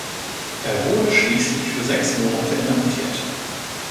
Er wurde schließlich für sechs Monate inhaftiert.